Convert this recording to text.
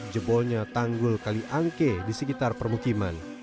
jebolnya tanggul kali angke di sekitar permukiman